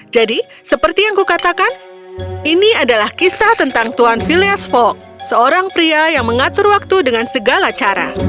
jadi seperti yang kukatakan ini adalah kisah tentang tuan phileas fogg seorang pria yang mengatur waktu dengan segala cara